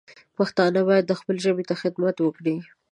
پښتانه باید خپلې ژبې ته خدمت وکړي